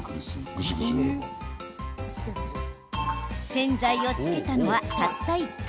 洗剤をつけたのは、たった１回。